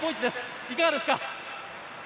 いかがですか？